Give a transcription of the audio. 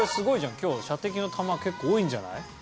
今日射的の弾結構多いんじゃない？